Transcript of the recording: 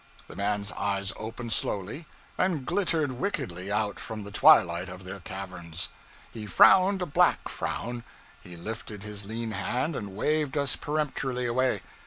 The man's eyes opened slowly, and glittered wickedly out from the twilight of their caverns; he frowned a black frown; he lifted his lean hand and waved us peremptorily away.